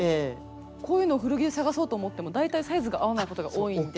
こういうのを古着で探そうと思っても大体サイズが合わないことが多いんで。